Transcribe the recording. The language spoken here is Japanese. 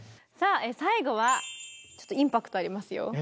さあ最後はちょっとインパクトありますよ。